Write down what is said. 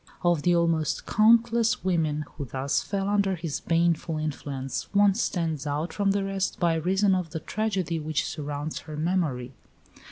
Of the almost countless women who thus fell under his baneful influence one stands out from the rest by reason of the tragedy which surrounds her memory.